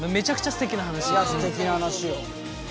すてきな話よ。